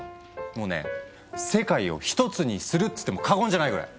もうね世界をひとつにするっつっても過言じゃないぐらい。